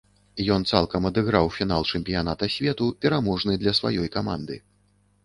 Ён цалкам адыграў фінал чэмпіяната свету, пераможны для сваёй каманды.